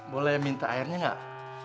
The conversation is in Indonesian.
boleh minta airnya enggak